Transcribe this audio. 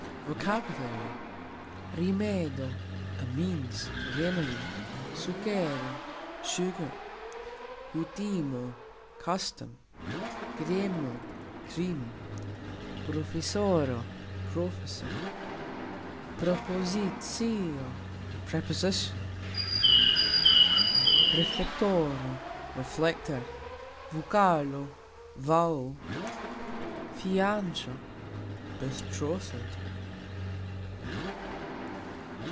VOCABULARY. rimedo : a means, remedy. sukero : sugar. kutimo : custom. kremo : cream. profesoro : professor, prepozicio : preposition. reflektoro : reflector. vokalo : vowel. fiancxo : betrothed.